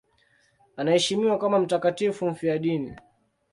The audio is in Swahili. Anaheshimiwa kama mtakatifu mfiadini.